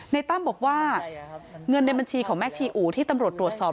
ตั้มบอกว่าเงินในบัญชีของแม่ชีอู่ที่ตำรวจตรวจสอบ